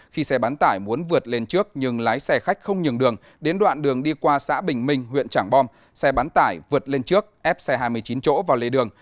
khi xe bán tải muốn vượt lên trước nhưng lái xe khách không nhường đường đến đoạn đường đi qua xã bình minh huyện trảng bom xe bán tải vượt lên trước ép xe hai mươi chín chỗ vào lê đường